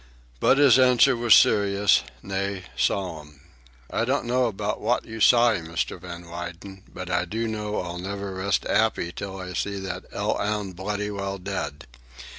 But his answer was serious, nay, solemn. "I don't know about wot you s'y, Mr. Van W'yden, but I do know I'll never rest 'appy till I see that 'ell 'ound bloody well dead.